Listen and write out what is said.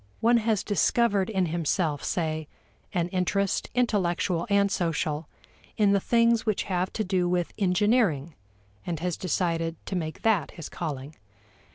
One has discovered in himself, say, an interest, intellectual and social, in the things which have to do with engineering and has decided to make that his calling.